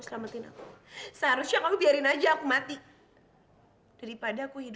setelah les sensation itu kena my pa basuh